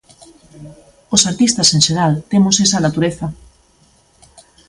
Os artistas, en xeral, temos esa natureza.